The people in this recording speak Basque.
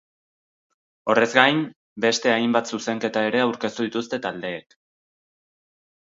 Horrez gain, beste hainbat zuzenketa ere aurkeztu dituzte taldeek.